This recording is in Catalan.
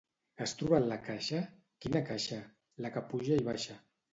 —Has trobat la caixa? —Quina caixa? —La que puja i baixa.